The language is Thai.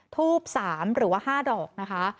ทูบ๓หรือว่า๕ดอกนะคะ